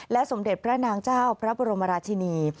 สมเด็จพระนางเจ้าพระบรมราชินี